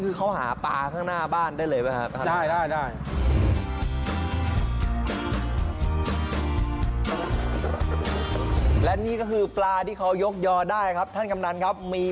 คือเขาหาปลาข้างหน้าบ้านได้เลยไหมครับท่านคุณครับบ๊วย